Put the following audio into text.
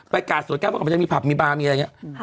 ไปกาสวนแก้วก่อนไปเที่ยวมีผับมีบ้านมีอะไรอย่างนี้